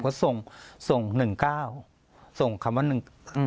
เขาส่งส่งหนึ่งเก้าส่งคำว่าหนึ่งอืม